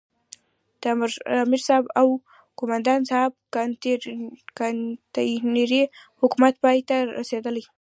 د امرصاحب او قوماندان صاحب کانتينري حکومت پای ته رسېدلی.